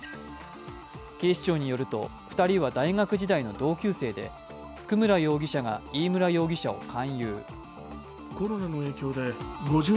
警視庁によると、２人は大学時代の同級生で久村容疑者が飯村容疑者を勧誘。